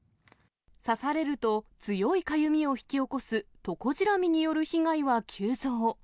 刺されると強いかゆみを引き起こすトコジラミによる被害は急増。